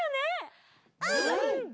うん！